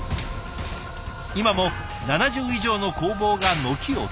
今も７０以上の工房が軒を連ねます。